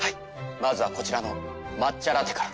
まずはこちらの抹茶ラテから。